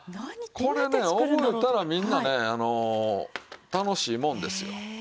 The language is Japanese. これね覚えたらみんなね楽しいもんですよ。